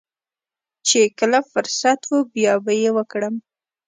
چې کله فرصت و بيا به يې وکړم.